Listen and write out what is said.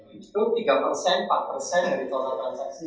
itu tiga empat dari total transaksi